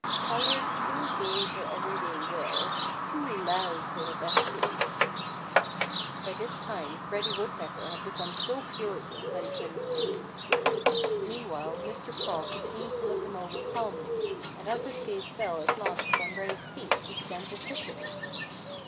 "Colors too gay for everyday wear! Too loud for the best taste!" By this time Reddy Woodpecker had become so furious that he couldn't speak. Meanwhile Mr. Frog continued to look him over calmly, and as his gaze fell at last upon Reddy's feet he began to titter.